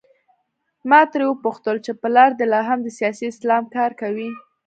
ما ترې وپوښتل چې پلار دې لا هم د سیاسي اسلام کار کوي؟